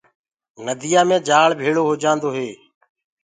نديآ مي جآݪ ڀيݪو هوجآندو هي۔